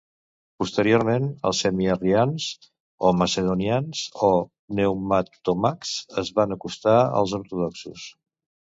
Posteriorment els semiarrians o macedonians o pneumatòmacs es van acostar als ortodoxos.